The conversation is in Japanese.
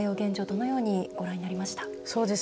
どのようにご覧になりました？